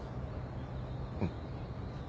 うん。